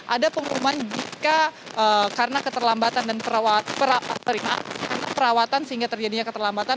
ada pengumuman jika karena keterlambatan dan perawatan sehingga terjadinya keterlambatan